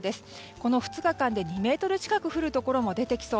この２日間で２ｍ近く降るところも出てきそう。